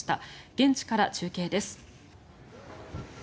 現地から中継です。